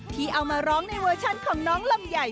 ที่เอามาร้องในเวอร์ชันของน้องลำใหญ่